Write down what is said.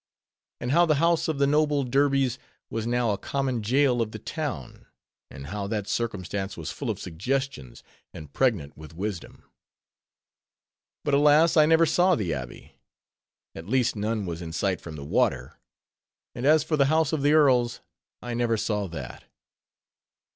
And how the house of the noble Derby's was now a common jail of the town; and how that circumstance was full of suggestions, and pregnant with wisdom! But, alas! I never saw the Abbey; at least none was in sight from the water: and as for the house of the earls, I never saw that.